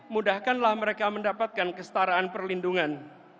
mudahkanlah mereka mendapatkan kestaraan perlindungan